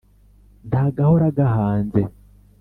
Nta gahora gahanze.